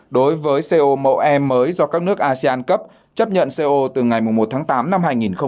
đối với co mẫu e mới do các nước asean cấp chấp nhận co từ ngày một tháng tám năm hai nghìn hai mươi